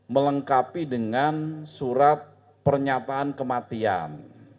melengkapi dengan surat pernyataan kematian